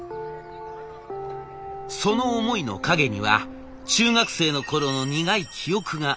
その思いの陰には中学生のころの苦い記憶がありました。